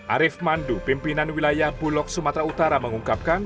arief mandu pimpinan wilayah bulog sumatera utara mengungkapkan